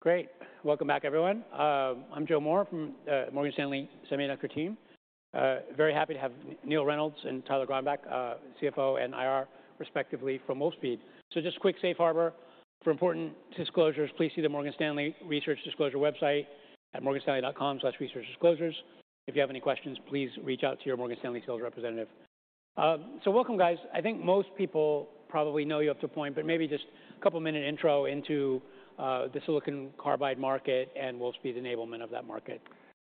Great. Welcome back, everyone. I'm Joe Moore from Morgan Stanley Semiconductor team. Very happy to have Neill Reynolds and Tyler Gronbeck, CFO and IR respectively from Wolfspeed. Just quick safe harbor. For important disclosures, please see the Morgan Stanley Research Disclosure website at morganstanley.com/researchdisclosures. If you have any questions, please reach out to your Morgan Stanley sales representative. Welcome, guys. I think most people probably know you up to a point, but maybe just a couple minute intro into the silicon carbide market and Wolfspeed's enablement of that market.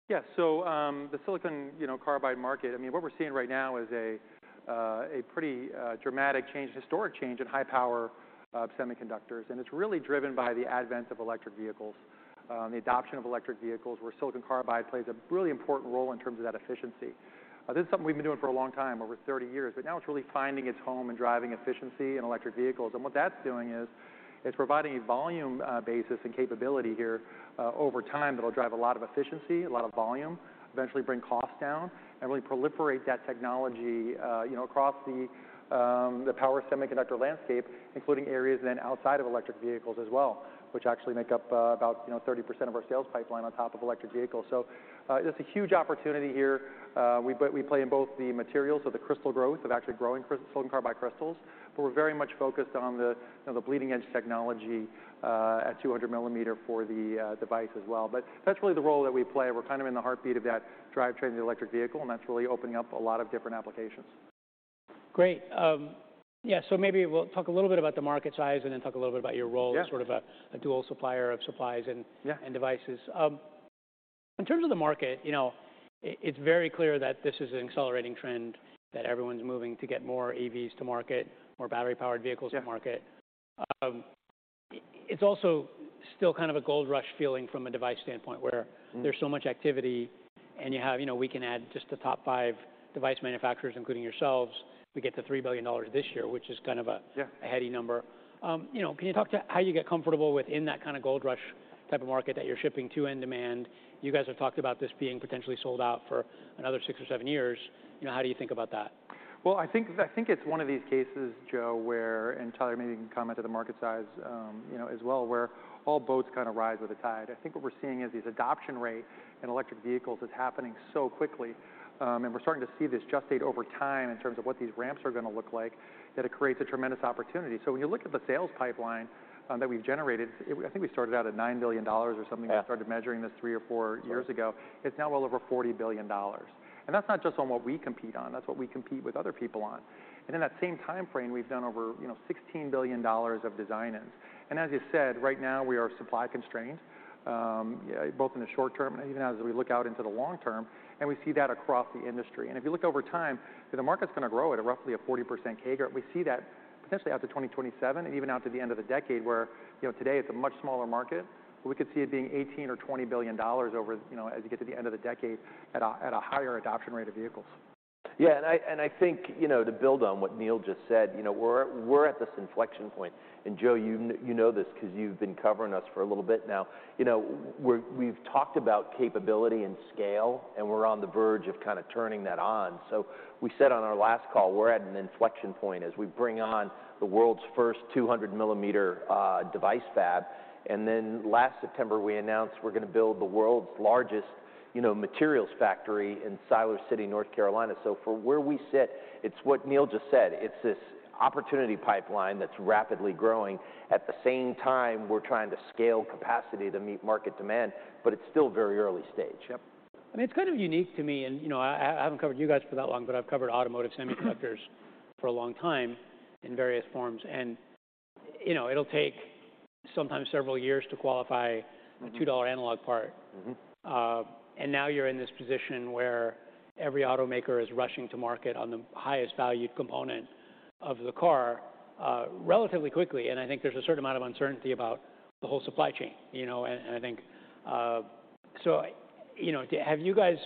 Yeah. The silicon carbide market, I mean, what we're seeing right now is a pretty dramatic change, historic change in high power semiconductors, and it's really driven by the advent of electric vehicles, the adoption of electric vehicles, where silicon carbide plays a really important role in terms of that efficiency. This is something we've been doing for a long time, over 30 years, but now it's really finding its home in driving efficiency in electric vehicles. What that's doing is it's providing a volume basis and capability here over time that'll drive a lot of efficiency, a lot of volume, eventually bring costs down and really proliferate that technology, you know, across the power semiconductor landscape, including areas then outside of electric vehicles as well, which actually make up about, you know, 30% of our sales pipeline on top of electric vehicles. Just a huge opportunity here. We play in both the materials, so the crystal growth of actually growing silicon carbide crystals, but we're very much focused on the, you know, the bleeding-edge technology at 200mm for the device as well. That's really the role that we play. We're kind of in the heartbeat of that drivetrain of the electric vehicle, and that's really opening up a lot of different applications. Great. Yeah, maybe we'll talk a little bit about the market size and then talk a little bit about your role. Yeah. As sort of a dual supplier of supplies. Yeah. And devices. In terms of the market, you know, it's very clear that this is an accelerating trend that everyone's moving to get more EVs to market, more battery-powered vehicles to market. It's also still kind of a gold rush feeling from a device standpoint. There's so much activity, and you know, we can add just the top five device manufacturers, including yourselves, we get to $3 billion this year. Yeah. Which is kind of a heady number. You know, can you talk to how you get comfortable within that kind of gold rush type of market that you're shipping to in demand? You guys have talked about this being potentially sold out for another six or seven years. You know, how do you think about that? Well, I think it's one of these cases, Joe, where, and Tyler maybe you can comment to the market size, you know, as well, where all boats kind of rise with the tide. I think what we're seeing is this adoption rate in electric vehicles is happening so quickly, and we're starting to see this just state over time in terms of what these ramps are gonna look like, that it creates a tremendous opportunity. When you look at the sales pipeline, that we've generated, I think we started out at $9 billion or something. Yeah. When we started measuring this three or four years ago. Sure. It's now well over $40 billion. That's not just on what we compete on. That's what we compete with other people on. In that same timeframe, we've done over, you know, $16 billion of design-ins. As you said, right now we are supply constrained, yeah, both in the short term and even as we look out into the long term, and we see that across the industry. If you look over time, you know, the market's gonna grow at a roughly a 40% CAGR. We see that potentially out to 2027, and even out to the end of the decade where, you know, today it's a much smaller market, but we could see it being $18 billion or $20 billion over, you know, as you get to the end of the decade at a higher adoption rate of vehicles. I think, you know, to build on what Neill just said, you know, we're at this inflection point, and Joe, you know this 'cause you've been covering us for a little bit now. You know, we've talked about capability and scale, and we're on the verge of kind of turning that on. We said on our last call, we're at an inflection point as we bring on the world's first 200mm device fab. Last September, we announced we're gonna build the world's largest, you know, materials factory in Siler City, North Carolina. For where we sit, it's what Neill just said. It's this opportunity pipeline that's rapidly growing. At the same time, we're trying to scale capacity to meet market demand, it's still very early stage. Yep. I mean, it's kind of unique to me, you know, I haven't covered you guys for that long, but I've covered automotive semiconductors for a long time in various forms. You know, it'll take sometimes several years to qualify. Mm-hmm. A $2 analog part. Mm-hmm. Now you're in this position where every automaker is rushing to market on the highest valued component of the car, relatively quickly, and I think there's a certain amount of uncertainty about the whole supply chain, you know? You know, have you guys?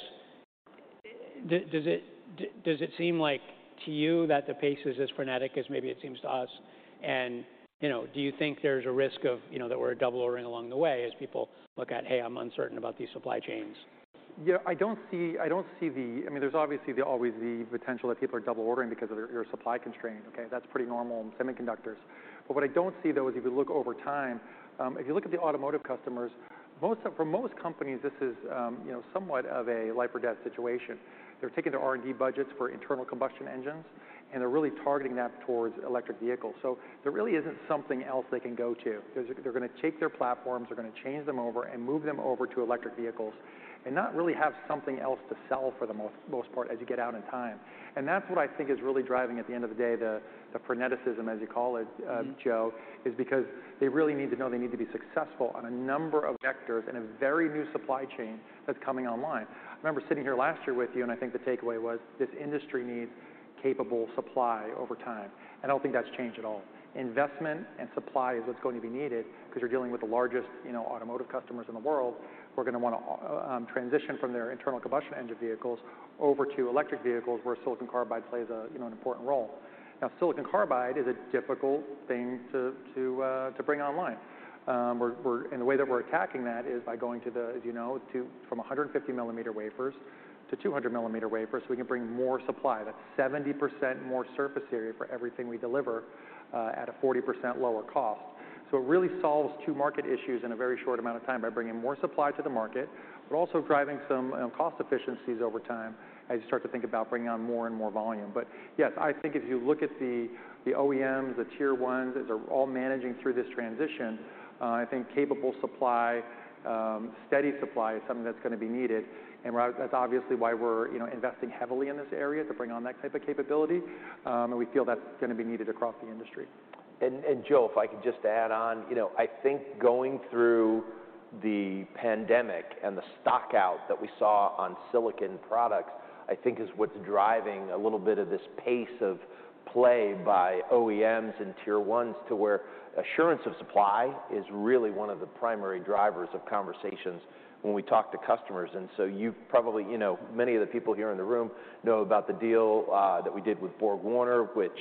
Does it seem like to you that the pace is as frenetic as maybe it seems to us? You know, do you think there's a risk of, you know, that we're double ordering along the way as people look at, "Hey, I'm uncertain about these supply chains?" Yeah, I don't see, I don't see the. I mean, there's obviously the, always the potential that people are double ordering because you're supply constrained, okay? That's pretty normal in semiconductors. What I don't see, though, is if you look over time, if you look at the automotive customers, for most companies, this is, you know, somewhat of a life or death situation. They're taking their R&D budgets for internal combustion engines, and they're really targeting that towards electric vehicles. There really isn't something else they can go to, 'cause they're gonna take their platforms, they're gonna change them over and move them over to electric vehicles and not really have something else to sell for the most part as you get out in time. That's what I think is really driving, at the end of the day, the freneticism, as you call it, Joe. Mm-hmm. It is because they really need to know they need to be successful on a number of vectors in a very new supply chain that's coming online. I remember sitting here last year with you, and I think the takeaway was this industry needs capable supply over time, and I don't think that's changed at all. Investment and supply is what's going to be needed, 'cause you're dealing with the largest, you know, automotive customers in the world who are gonna wanna transition from their internal combustion engine vehicles over to electric vehicles, where silicon carbide plays, a, you know, an important role. Now, silicon carbide is a difficult thing to bring online. The way that we're attacking that is by going to the, as you know, to, from 150mm wafers to 200mm wafers, we can bring more supply. That's 70% more surface area for everything we deliver, at a 40% lower cost. It really solves two market issues in a very short amount of time by bringing more supply to the market, but also driving some cost efficiencies over time as you start to think about bringing on more and more volume. Yes, I think if you look at the OEMs, the Tier 1, as they're all managing through this transition, I think capable supply, steady supply is something that's gonna be needed. That's obviously why we're, you know, investing heavily in this area to bring on that type of capability, and we feel that's gonna be needed across the industry. Joe, if I could just add on. You know, I think going through the pandemic and the stock out that we saw on silicon products, I think is what's driving a little bit of this pace of play by OEMs and Tier 1 to where assurance of supply is really one of the primary drivers of conversations when we talk to customers. You've probably, you know, many of the people here in the room know about the deal that we did with BorgWarner, which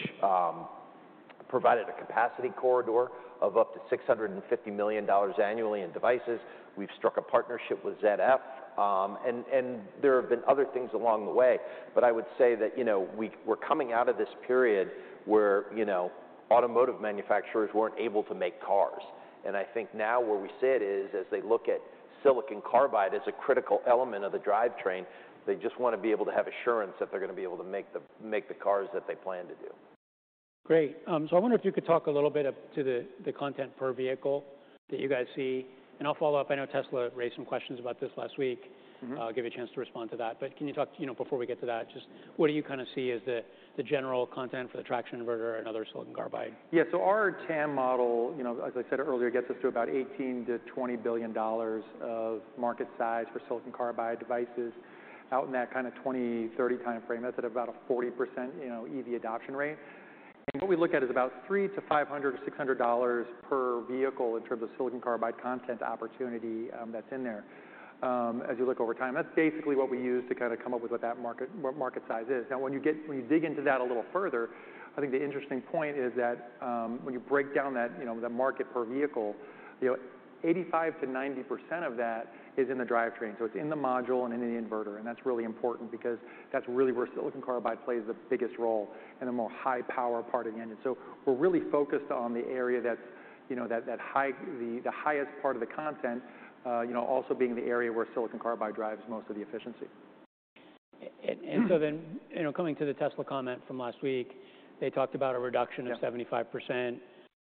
provided a capacity corridor of up to $650 million annually in devices. We've struck a partnership with ZF, and there have been other things along the way. I would say that, you know, we're coming out of this period where, you know, automotive manufacturers weren't able to make cars. I think now where we sit is, as they look at silicon carbide as a critical element of the drivetrain, they just wanna be able to have assurance that they're gonna be able to make the cars that they plan to do. Great. I wonder if you could talk a little bit up to the content per vehicle that you guys see, and I'll follow up. I know Tesla raised some questions about this last week. Mm-hmm. I'll give you a chance to respond to that. Can you talk, you know, before we get to that, just what do you kind of see as the general content for the traction inverter and other silicon carbide? Our TAM model, you know, as I said earlier, gets us to about $18 billion-$20 billion of market size for silicon carbide devices out in that kinda 2030 timeframe. That's at about a 40%, you know, EV adoption rate. What we look at is about $300-$500 or $600 per vehicle in terms of silicon carbide content opportunity, that's in there, as you look over time. That's basically what we use to kinda come up with what that market size is. When you dig into that a little further, I think the interesting point is that, when you break down that, you know, the market per vehicle, you know, 85%-90% of that is in the drivetrain. It's in the module and in the inverter, and that's really important because that's really where silicon carbide plays the biggest role in the more high power part of the engine. We're really focused on the area that's, you know, that high, the highest part of the content, you know, also being the area where silicon carbide drives most of the efficiency. You know, coming to the Tesla comment from last week, they talked about a reduction. Yeah. Of 75%.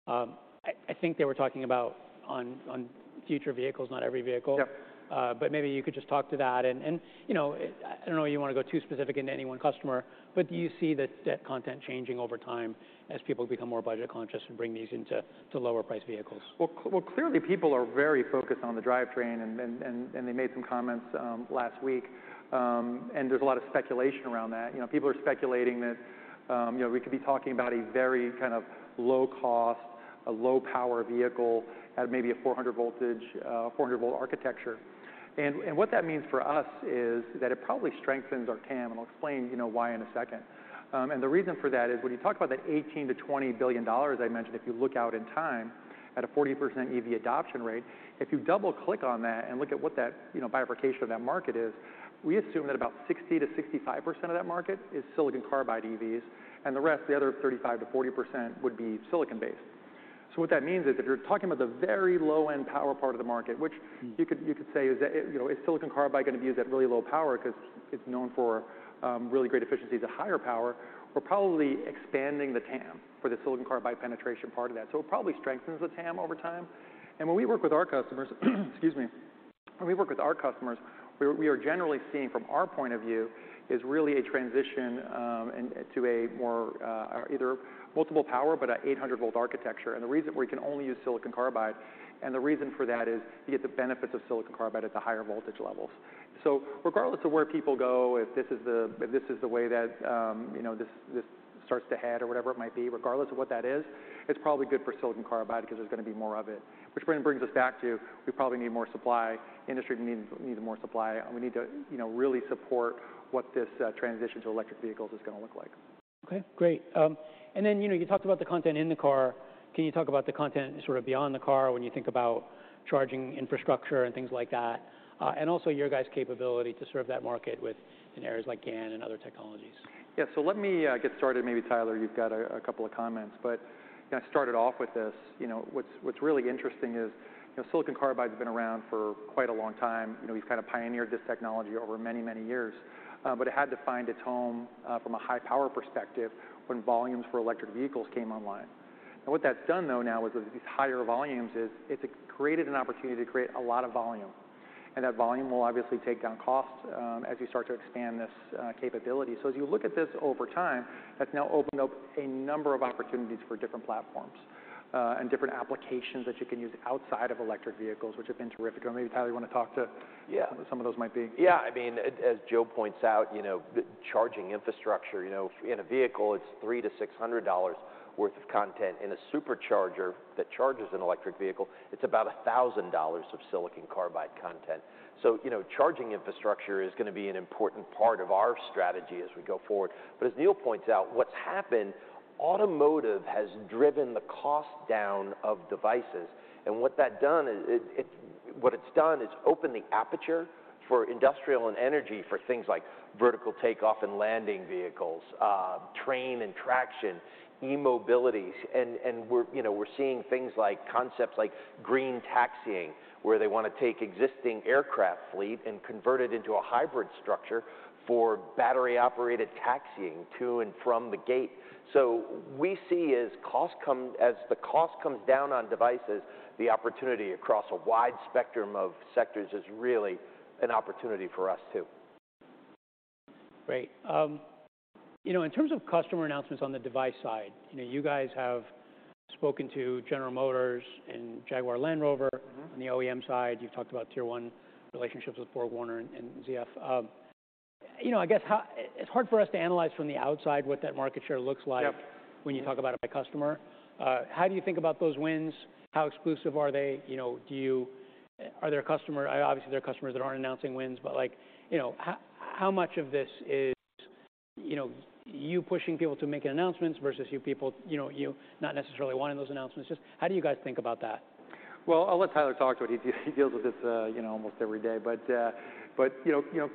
I think they were talking about on future vehicles, not every vehicle. Yep. Maybe you could just talk to that and you know, I don't know if you wanna go too specific into any one customer, but do you see that content changing over time as people become more budget conscious and bring these into, to lower priced vehicles? Well, clearly people are very focused on the drivetrain and they made some comments last week, and there's a lot of speculation around that. You know, people are speculating that, you know, we could be talking about a very kind of low cost, a low power vehicle at maybe a 400 voltage, 400V architecture. What that means for us is that it probably strengthens our TAM, and I'll explain, you know, why in a second. The reason for that is when you talk about that $18 billion-$20 billion I mentioned, if you look out in time at a 40% EV adoption rate, if you double-click on that and look at what that, you know, bifurcation of that market is, we assume that about 60%-65% of that market is silicon carbide EVs, and the rest, the other 35%-40%, would be silicon-based. What that means is if you're talking about the very low-end power part of the market, which you could say is that, you know, is silicon carbide gonna be used at really low power because it's known for really great efficiency at the higher power, we're probably expanding the TAM for the silicon carbide penetration part of that. It probably strengthens the TAM over time. When we work with our customers, excuse me, when we work with our customers, we are generally seeing from our point of view, is really a transition and to a more either multiple power but an 800V architecture. The reason we can only use silicon carbide, and the reason for that is you get the benefits of silicon carbide at the higher voltage levels. Regardless of where people go, if this is the way that, you know, this starts to head or whatever it might be, regardless of what that is, it's probably good for silicon carbide because there's gonna be more of it. Brings us back to we probably need more supply, the industry needs more supply, and we need to, you know, really support what this transition to electric vehicles is gonna look like. Okay. Great. You know, you talked about the content in the car. Can you talk about the content sort of beyond the car when you think about charging infrastructure and things like that? Also your guys' capability to serve that market with, in areas like GaN and other technologies. Yeah. Let me get started. Maybe Tyler, you've got a couple of comments. You know, I started off with this. You know, what's really interesting is, you know, silicon carbide's been around for quite a long time. You know, we've kind of pioneered this technology over many, many years. But it had to find its home from a high power perspective when volumes for electric vehicles came online. What that's done though now with these higher volumes is it's created an opportunity to create a lot of volume, and that volume will obviously take down cost as you start to expand this capability. As you look at this over time, that's now opened up a number of opportunities for different platforms and different applications that you can use outside of electric vehicles, which have been terrific. Maybe Tyler, you wanna talk to? Yeah. What some of those might be? Yeah. I mean, as Joe points out, you know, the charging infrastructure, you know, in a vehicle it's $300-$600 worth of content. In a supercharger that charges an electric vehicle, it's about $1,000 of silicon carbide content. You know, charging infrastructure is gonna be an important part of our strategy as we go forward. As Neill points out, what's happened, automotive has driven the cost down of devices, and what that's done is it. What it's done is open the aperture for industrial and energy for things like vertical takeoff and landing vehicles, train and traction, e-mobility. We're, you know, we're seeing things like concepts like green taxiing, where they wanna take existing aircraft fleet and convert it into a hybrid structure for battery-operated taxiing to and from the gate. We see as the cost comes down on devices, the opportunity across a wide spectrum of sectors is really an opportunity for us too. Great. You know, in terms of customer announcements on the device side, you know, you guys have spoken to General Motors and Jaguar Land Rover. Mm-hmm. On the OEM side, you've talked about Tier 1 relationships with BorgWarner and ZF. You know, I guess it's hard for us to analyze from the outside what that market share looks like. Yep. When you talk about it by customer. How do you think about those wins? How exclusive are they? You know, obviously, there are customers that aren't announcing wins, like, you know, how much of this is, you know, you pushing people to make announcements versus you people, you know, not necessarily wanting those announcements? Just how do you guys think about that? Well, I'll let Tyler talk to it. He deals with this, you know, almost every day.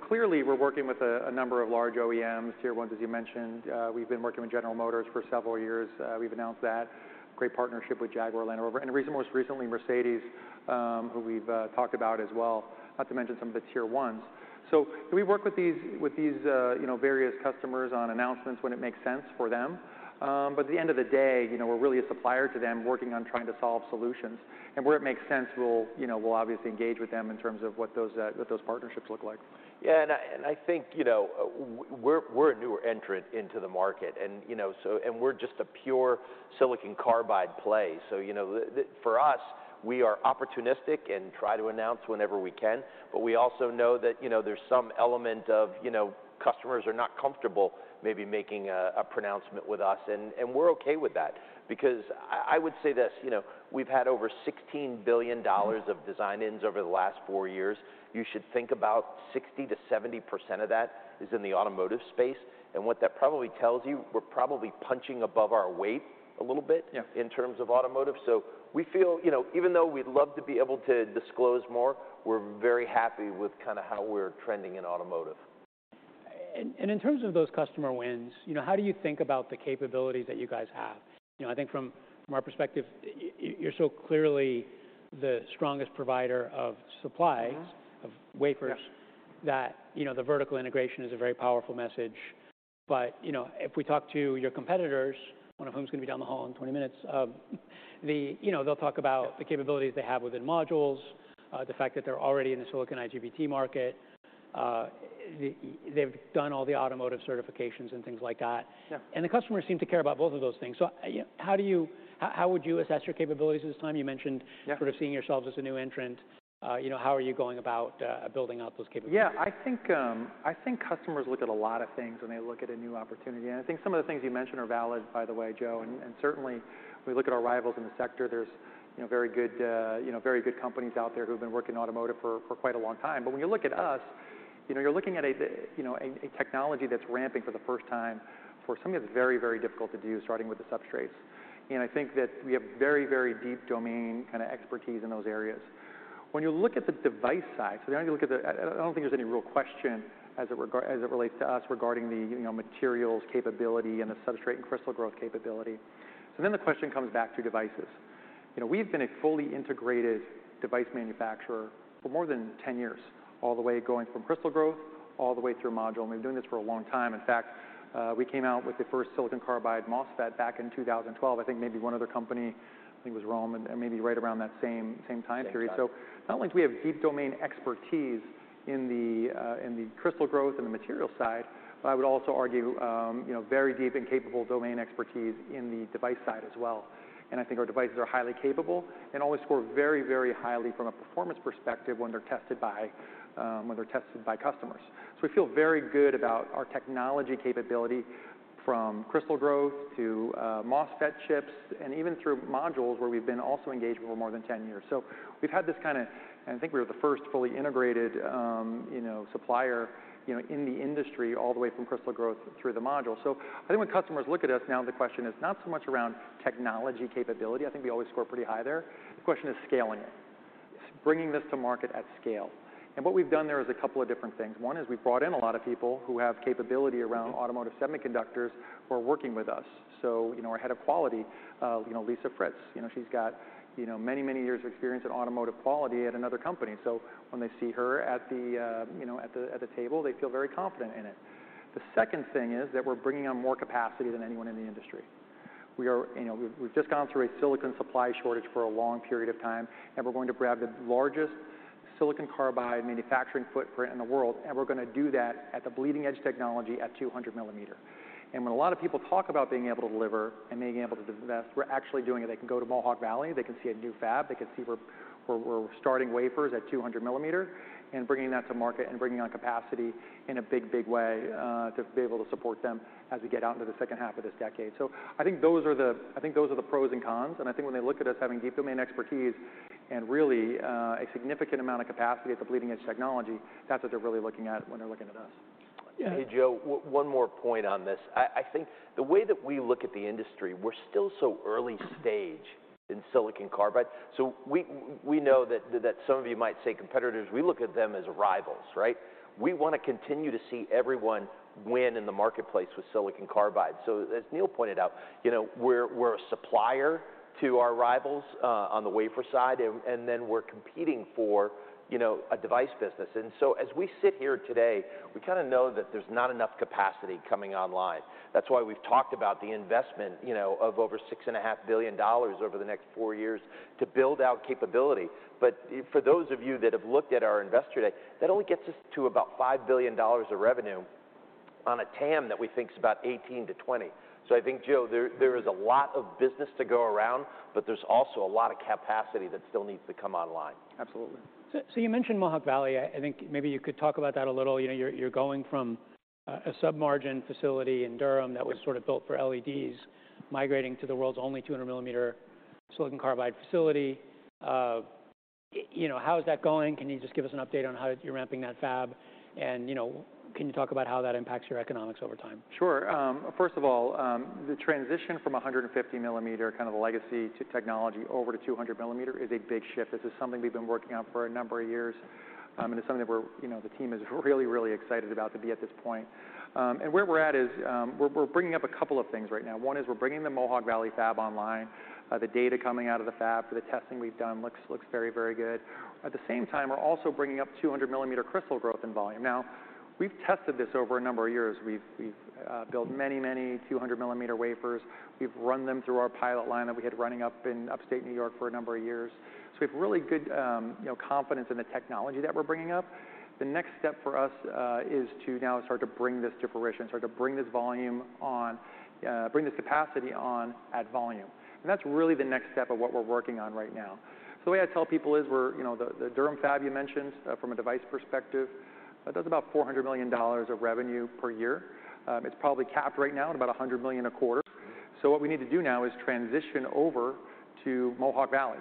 Clearly we're working with a number of large OEMs, Tier 1s, as you mentioned. We've been working with General Motors for several years, we've announced that. Great partnership with Jaguar Land Rover, and most recently Mercedes, who we've talked about as well, not to mention some of the Tier 1s. We work with these, you know, various customers on announcements when it makes sense for them. At the end of the day, you know, we're really a supplier to them working on trying to solve solutions. Where it makes sense, we'll, you know, we'll obviously engage with them in terms of what those partnerships look like. Yeah. I think, you know, we're a newer entrant into the market and, you know, we're just a pure silicon carbide play. You know, for us, we are opportunistic and try to announce whenever we can, but we also know that, you know, there's some element of, you know, customers are not comfortable maybe making a pronouncement with us, and we're okay with that. I would say this, you know, we've had over $16 billion of design-ins over the last four years. You should think about 60%-70% of that is in the automotive space, and what that probably tells you, we're probably punching above our weight a little bit. Yeah. In terms of automotive. We feel, you know, even though we'd love to be able to disclose more, we're very happy with kind of how we're trending in automotive. In terms of those customer wins, you know, how do you think about the capabilities that you guys have? You know, I think from our perspective, you're so clearly the strongest provider of supplies of wafers. Yeah. That, you know, the vertical integration is a very powerful message. You know, if we talk to your competitors, one of whom's gonna be down the hall in 20 minutes, you know, they'll talk about. Yeah. The capabilities they have within modules, the fact that they're already in the silicon IGBT market, they've done all the automotive certifications and things like that. Yeah. The customers seem to care about both of those things. How would you assess your capabilities at this time? You mentioned. Yeah. Sort of seeing yourselves as a new entrant. you know, how are you going about building out those capabilities? I think customers look at a lot of things when they look at a new opportunity. I think some of the things you mentioned are valid, by the way, Joe, and certainly when we look at our rivals in the sector, there's, you know, very good, you know, very good companies out there who have been working in automotive for quite a long time. When you look at us, you know, you're looking at a, you know, a technology that's ramping for the first time for something that's very, very difficult to do, starting with the substrates. I think that we have very, very deep domain kinda expertise in those areas. When you look at the device side, you don't need to look at the, I don't think there's any real question as it relates to us regarding the, you know, materials capability and the substrate and crystal growth capability. The question comes back to devices. You know, we've been a fully integrated device manufacturer for more than 10 years, all the way going from crystal growth all the way through module, and we've been doing this for a long time. In fact, we came out with the first silicon carbide MOSFET back in 2012. I think maybe one other company, I think it was ROHM, and maybe right around that same time period. Same time. Not only do we have deep domain expertise in the crystal growth and the material side, but I would also argue, you know, very deep and capable domain expertise in the device side as well. I think our devices are highly capable and always score very, very highly from a performance perspective when they're tested by, when they're tested by customers. We feel very good about our technology capability from crystal growth to MOSFET chips, and even through modules where we've been also engaged for more than 10 years. We've had this and I think we were the first fully integrated, you know, supplier, you know, in the industry all the way from crystal growth through the module. I think when customers look at us now, the question is not so much around technology capability, I think we always score pretty high there, the question is scaling it. Yes. Bringing this to market at scale. What we've done there is a couple of different things. One is we've brought in a lot of people who have capability around. Mm-hmm. Automotive semiconductors who are working with us. You know, our Head of Quality, you know, Lisa Fritz, she's got, you know, many years of experience in automotive quality at another company. When they see her at the, you know, at the table, they feel very confident in it. The second thing is that we're bringing on more capacity than anyone in the industry. You know, we've just gone through a silicon supply shortage for a long period of time, and we're going to grab the largest silicon carbide manufacturing footprint in the world, and we're gonna do that at the bleeding edge technology at 200mm. When a lot of people talk about being able to deliver and being able to invest, we're actually doing it. They can go to Mohawk Valley, they can see a new fab. They can see we're starting wafers at 200mm and bringing that to market and bringing on capacity in a big way to be able to support them as we get out into the second half of this decade. I think those are the pros and cons, and I think when they look at us having deep domain expertise and really a significant amount of capacity at the bleeding edge technology, that's what they're really looking at when they're looking at us. Hey, Joe, one more point on this. I think the way that we look at the industry, we're still so early stage in silicon carbide. We know that some of you might say competitors, we look at them as rivals, right? We wanna continue to see everyone win in the marketplace with silicon carbide. As Neill pointed out, you know, we're a supplier to our rivals on the wafer side, and then we're competing for, you know, a device business. As we sit here today, we kinda know that there's not enough capacity coming online. That's why we've talked about the investment, you know, of over $6.5 billion over the next four years to build out capability. For those of you that have looked at our Investor Day, that only gets us to about $5 billion of revenue on a TAM that we think is about $18 billion-$20 billion. I think, Joe, there is a lot of business to go around, but there's also a lot of capacity that still needs to come online. Absolutely. You mentioned Mohawk Valley. I think maybe you could talk about that a little. You know, you're going from a sub-margin facility in Durham. Right. Sort of built for LEDs, migrating to the world's only 200mm silicon carbide facility. You know, how is that going? Can you just give us an update on how you're ramping that fab? You know, can you talk about how that impacts your economics over time? Sure. First of all, the transition from 150mm, kind of legacy to technology, over to 200mm is a big shift. This is something we've been working on for a number of years, and it's something where, you know, the team is really excited about to be at this point. And where we're at is, we're bringing up a couple of things right now. One is we're bringing the Mohawk Valley Fab online. The data coming out of the Fab for the testing we've done looks very good. At the same time, we're also bringing up 200mm crystal growth in volume. Now, we've tested this over a number of years. We've built many 200mm wafers. We've run them through our pilot line that we had running up in Upstate New York for a number of years. We have really good, you know, confidence in the technology that we're bringing up. The next step for us, is to now start to bring this to fruition, start to bring this volume on, bring this capacity on at volume. That's really the next step of what we're working on right now. The way I tell people is we're, you know, the Durham fab you mentioned, from a device perspective, that does about $400 million of revenue per year. It's probably capped right now at about $100 million a quarter. What we need to do now is transition over to Mohawk Valley.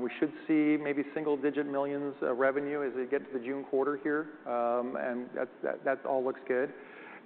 We should see maybe single-digit millions of revenue as we get to the June quarter here. That all looks good.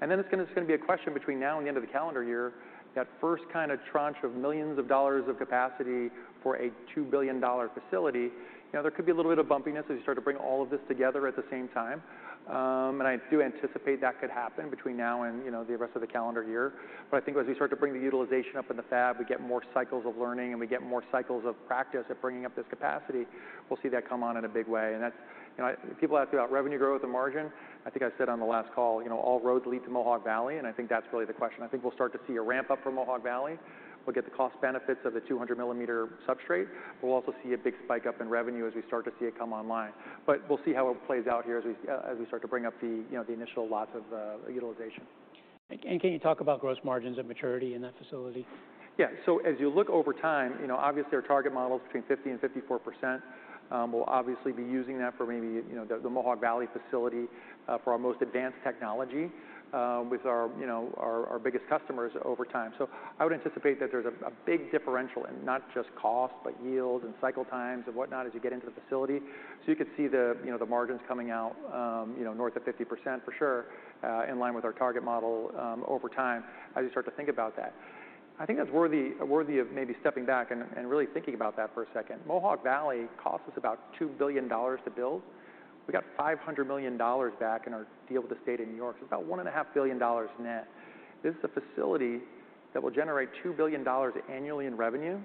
It's gonna be a question between now and the end of the calendar year, that first kind of tranche of millions of dollars of capacity for a $2 billion facility, you know, there could be a little bit of bumpiness as you start to bring all of this together at the same time. I do anticipate that could happen between now and, you know, the rest of the calendar year. I think as we start to bring the utilization up in the fab, we get more cycles of learning, and we get more cycles of practice at bringing up this capacity, we'll see that come on in a big way. That's, you know, people ask about revenue growth and margin. I think I said on the last call, you know, all roads lead to Mohawk Valley, and I think that's really the question. I think we'll start to see a ramp-up for Mohawk Valley. We'll get the cost benefits of the 200mm substrate. We'll also see a big spike up in revenue as we start to see it come online. We'll see how it plays out here as we start to bring up the, you know, the initial lots of utilization. Can you talk about gross margins and maturity in that facility? Yeah. As you look over time, you know, obviously our target model is between 50%-54%. We'll obviously be using that for maybe, you know, the Mohawk Valley facility for our most advanced technology with our, you know, our biggest customers over time. I would anticipate that there's a big differential in not just cost, but yield and cycle times and whatnot as you get into the facility. You could see the, you know, the margins coming out, you know, north of 50% for sure in line with our target model over time as you start to think about that. I think that's worthy of maybe stepping back and really thinking about that for a second. Mohawk Valley cost us about $2 billion to build. We got $500 million back in our deal with the State of New York, so about one and a half billion dollars net. This is a facility that will generate $2 billion annually in revenue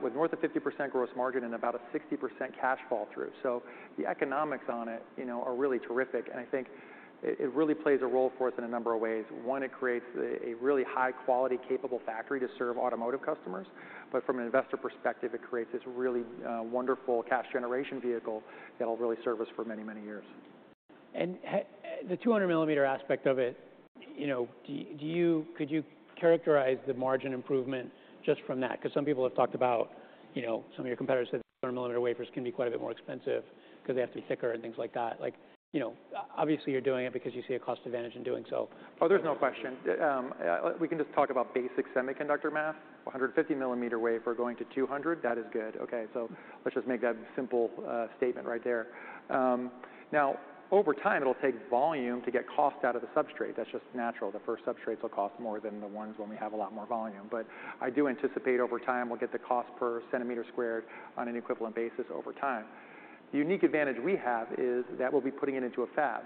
with north of 50% gross margin and about a 60% cash fall through. The economics on it, you know, are really terrific, and I think it really plays a role for us in a number of ways. One, it creates a really high quality capable factory to serve automotive customers. From an investor perspective, it creates this really wonderful cash generation vehicle that'll really serve us for many, many years. The 200mm aspect of it, you know, could you characterize the margin improvement just from that? 'Cause some people have talked about, you know, some of your competitors said 200mm wafers can be quite a bit more expensive 'cause they have to be thicker and things like that. Like, you know, obviously you're doing it because you see a cost advantage in doing so. Oh, there's no question. We can just talk about basic semiconductor math. A 150mm wafer going to 200mm, that is good. Okay. Let's just make that simple statement right there. Now, over time, it'll take volume to get cost out of the substrate. That's just natural. The first substrates will cost more than the ones when we have a lot more volume. I do anticipate over time, we'll get the cost per centimeter squared on an equivalent basis over time. The unique advantage we have is that we'll be putting it into a fab.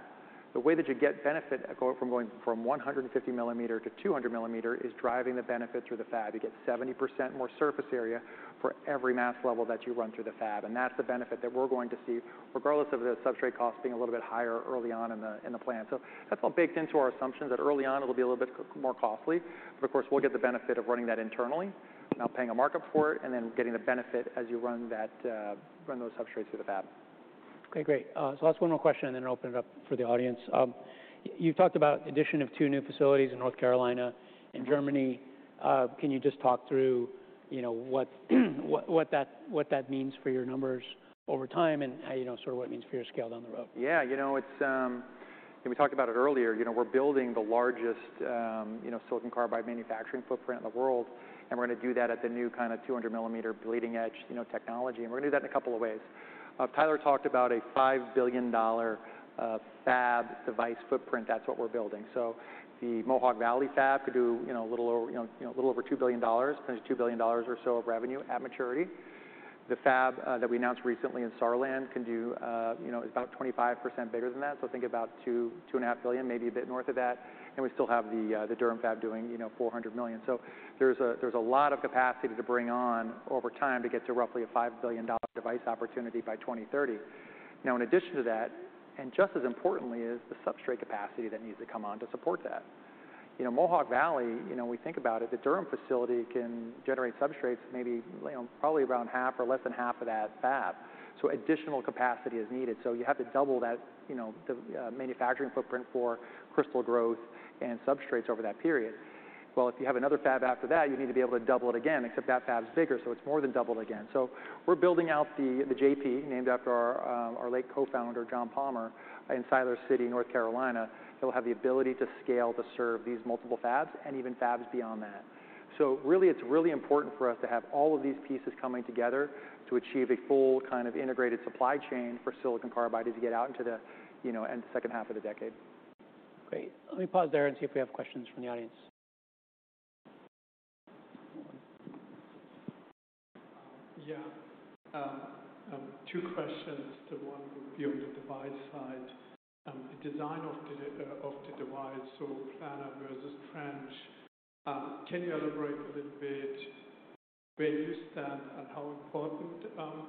The way that you get benefit from going from 150mm to 200mm is driving the benefit through the fab. You get 70% more surface area for every mask level that you run through the fab, and that's the benefit that we're going to see regardless of the substrate cost being a little bit higher early on in the plant. That's all baked into our assumptions, that early on it'll be a little bit more costly. Of course, we'll get the benefit of running that internally, not paying a markup for it, and then getting the benefit as you run that run those substrates through the fab. Okay, great. Last one more question, and then I'll open it up for the audience. You've talked about addition of two new facilities in North Carolina and Germany. Can you just talk through You know, what that means for your numbers over time and how, you know, sort of what it means for your scale down the road? Yeah, you know, it's. We talked about it earlier, you know, we're building the largest, you know, silicon carbide manufacturing footprint in the world, and we're gonna do that at the new kind of 200mm bleeding edge, you know, technology. We're gonna do that in a couple of ways. Tyler talked about a $5 billion fab device footprint. That's what we're building. The Mohawk Valley fab could do, you know, a little over $2 billion or so of revenue at maturity. The fab that we announced recently in Saarland can do, you know, is about 25% bigger than that, so think about $2 billion-$2.5 billion, maybe a bit north of that, and we still have the Durham fab doing, you know, $400 million. There's a lot of capacity to bring on over time to get to roughly a $5 billion device opportunity by 2030. In addition to that, and just as importantly, is the substrate capacity that needs to come on to support that. Mohawk Valley, you know, we think about it, the Durham facility can generate substrates maybe, you know, probably around half or less than half of that fab. Additional capacity is needed. You have to double that, you know, the manufacturing footprint for crystal growth and substrates over that period. If you have another fab after that, you need to be able to double it again, except that fab's bigger, so it's more than double again. We're building out the JP, named after our late co-founder, John Palmour, in Siler City, North Carolina. It'll have the ability to scale to serve these multiple fabs and even fabs beyond that. It's really important for us to have all of these pieces coming together to achieve a full kind of integrated supply chain for silicon carbide as you get out into the, you know, in the second half of the decade. Great. Let me pause there and see if we have questions from the audience. Yeah. Two questions. The one would be on the device side, the design of the device, so planar versus trench. Can you elaborate a little bit where you stand and how important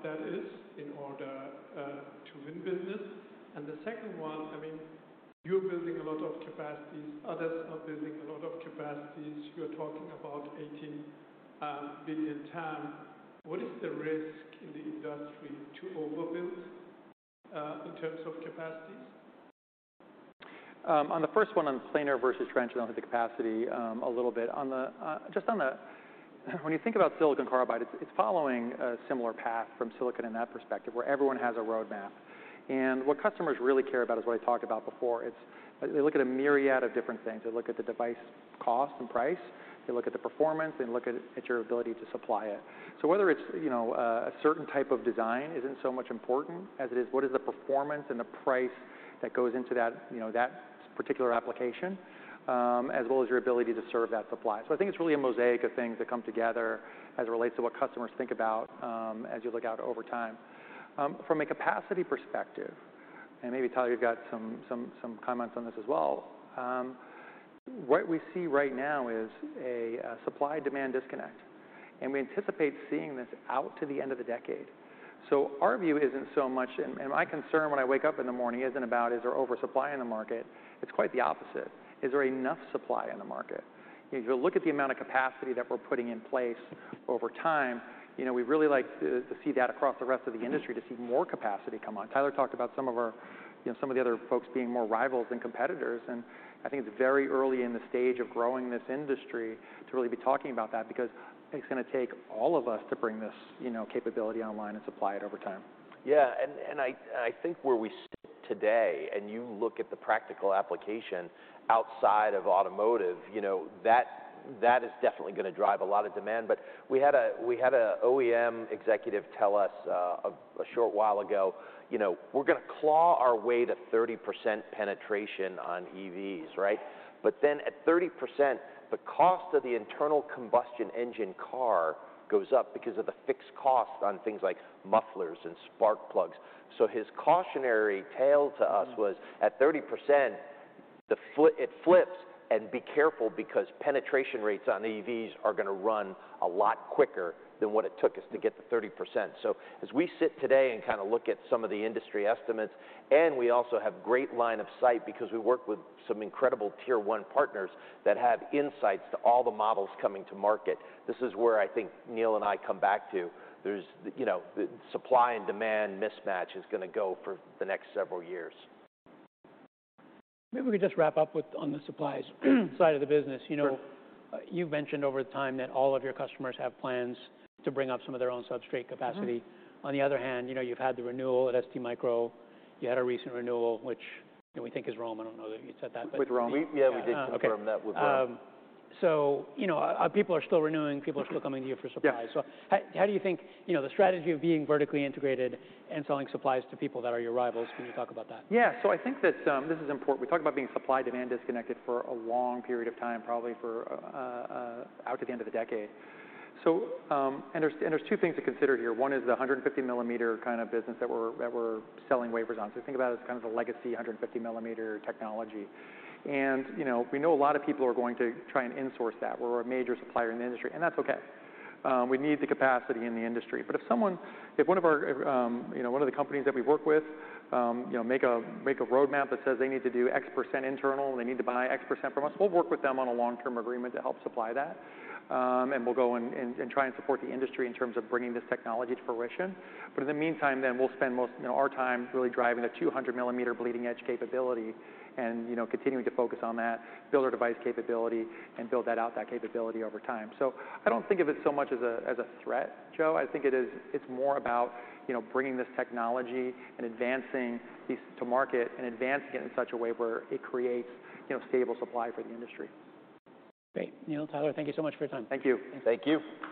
that is in order to win business? The second one, I mean, you're building a lot of capacities, others are building a lot of capacities. You're talking about $18 billion TAM. What is the risk in the industry to overbuild in terms of capacities? On the first one, on planar versus trench, and then on to the capacity a little bit. On the. When you think about silicon carbide, it's following a similar path from silicon in that perspective, where everyone has a roadmap. What customers really care about is what I talked about before. It's they look at a myriad of different things. They look at the device cost and price, they look at the performance, they look at your ability to supply it. Whether it's, you know, a certain type of design isn't so much important as it is what is the performance and the price that goes into that, you know, that particular application, as well as your ability to serve that supply. I think it's really a mosaic of things that come together as it relates to what customers think about, as you look out over time. From a capacity perspective, and maybe, Tyler, you've got some comments on this as well, what we see right now is a supply-demand disconnect, and we anticipate seeing this out to the end of the decade. Our view isn't so much, and my concern when I wake up in the morning isn't about, is there oversupply in the market? It's quite the opposite. Is there enough supply in the market? If you look at the amount of capacity that we're putting in place over time, you know, we really like to see that across the rest of the industry, to see more capacity come on. Tyler talked about some of our, you know, some of the other folks being more rivals than competitors, and I think it's very early in the stage of growing this industry to really be talking about that because it's gonna take all of us to bring this, you know, capability online and supply it over time. Yeah. I think where we sit today and you look at the practical application outside of automotive, you know, that is definitely gonna drive a lot of demand. We had a OEM executive tell us a short while ago, you know, "We're gonna claw our way to 30% penetration on EVs, right? At 30%, the cost of the internal combustion engine car goes up because of the fixed cost on things like mufflers and spark plugs." His cautionary tale to us was, at 30%, it flips and be careful because penetration rates on EVs are gonna run a lot quicker than what it took us to get to 30%. As we sit today and kind of look at some of the industry estimates, and we also have great line of sight because we work with some incredible Tier 1 partners that have insights to all the models coming to market. This is where I think Neill and I come back to. There's, you know, the supply and demand mismatch is gonna go for the next several years. Maybe we could just wrap up on the supplies side of the business, you know. Sure. You've mentioned over time that all of your customers have plans to bring up some of their own substrate capacity. Mm-hmm. On the other hand, you know, you've had the renewal at STMicroelectronics. You had a recent renewal, which, you know, we think is ROHM. I don't know that you said that, but. With ROHM, yeah, we did confirm that was ROHM. Okay. You know, people are still renewing, people are still coming to you for supplies. Yeah. How do you think, you know, the strategy of being vertically integrated and selling supplies to people that are your rivals, can you talk about that? Yeah. I think that this is important. We talk about being supply-demand disconnected for a long period of time, probably for out to the end of the decade. There's two things to consider here. One is the 150mm kind of business that we're selling wafers on. Think about it as kind of the legacy 150mm technology. You know, we know a lot of people are going to try and insource that. We're a major supplier in the industry, and that's okay. We need the capacity in the industry. If one of our, you know, one of the companies that we work with, you know, make a, make a roadmap that says they need to do 'X' percentage internal, they need to buy X% from us, we'll work with them on a long-term agreement to help supply that. We'll go and try and support the industry in terms of bringing this technology to fruition. In the meantime, then, we'll spend most, you know, our time really driving the 200mm bleeding-edge capability and, you know, continuing to focus on that, build our device capability and build that out, that capability over time. I don't think of it so much as a threat, Joe. I think it's more about, you know, bringing this technology and advancing these to market and advancing it in such a way where it creates, you know, stable supply for the industry. Great. Neill and Tyler, thank you so much for your time. Thank you. Thank you.